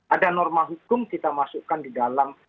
ada norma hukum kita masukkan di dalam